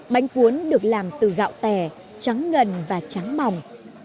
bánh cuốn được làm từ gạo tè trắng ngần và trắng mỏng